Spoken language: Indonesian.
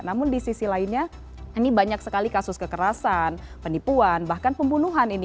namun di sisi lainnya ini banyak sekali kasus kekerasan penipuan bahkan pembunuhan ini